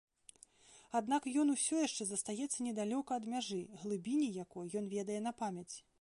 Аднак ён усё яшчэ застаецца недалёка ад мяжы, глыбіні якой ён ведае на памяць.